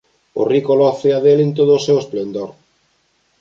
O rico loce a del en todo o seu esplendor.